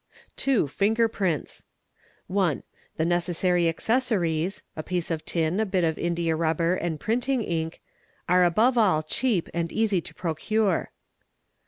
"4 2. Finger Prints. _] 7 _ 1. The necessary accessories—a piece of tin, a bit of indiarubber and printing ink, are above all cheap and easy to procure.